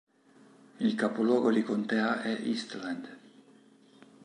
Il capoluogo di contea è Eastland.